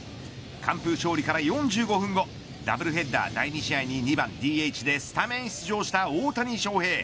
完封勝利から４５分後ダブルヘッダー第２試合に２番ＤＨでスタメン出場した大谷翔平。